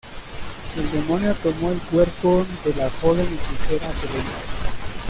El demonio tomó el cuerpo de la joven hechicera Selena.